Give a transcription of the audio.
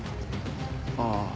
ああ。